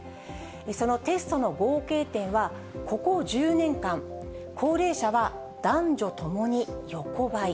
そのテストの合計点は、ここ１０年間、高齢者は男女ともに横ばい。